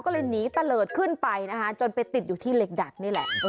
ก็เลยหนีตะเลิศขึ้นไปนะคะจนไปติดอยู่ที่เหล็กดัดนี่แหละ